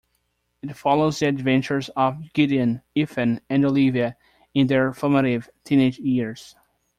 It follows the adventures of Gideon, Ethan, and Olivia in their formative, teenage years.